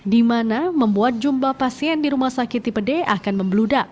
di mana membuat jumlah pasien di rumah sakit tipe d akan membeludak